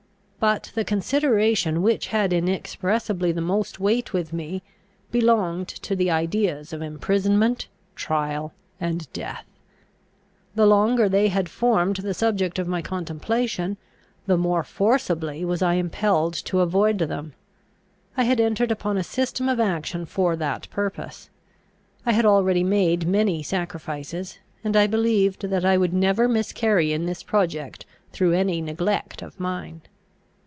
But the consideration which had inexpressibly the most weight with me, belonged to the ideas of imprisonment, trial, and death. The longer they had formed the subject of my contemplation, the more forcibly was I impelled to avoid them. I had entered upon a system of action for that purpose; I had already made many sacrifices; and I believed that I would never miscarry in this project through any neglect of mine.